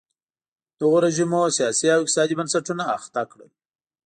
دغو رژیمونو سیاسي او اقتصادي بنسټونه اخته کړل.